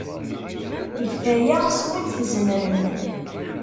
Get aya skud tzemrem.